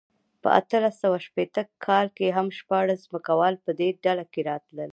په اتلس سوه شپېته کال کې هم شپاړس ځمکوال په دې ډله کې راتلل.